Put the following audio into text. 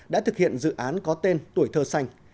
đã thực hiện dự án có tên tuổi thơ xanh